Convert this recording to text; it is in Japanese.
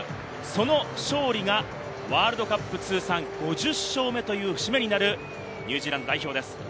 その勝利がワールドカップ通算５０勝目という節目になるニュージーランド代表です。